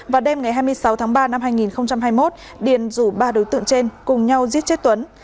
vào đêm ngày hai mươi sáu tháng ba năm hai nghìn hai mươi một điền rủ ba đối tượng trên cùng nhau giết chết tuấn